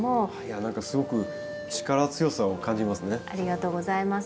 何かすごく力強さを感じますね。